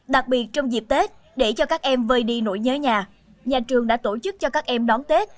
đặc biệt trong dịp tết để cho các em vơi đi nỗi nhớ nhà nhà trường đã tổ chức cho các em đón tết